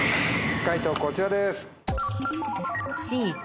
解答こちらです。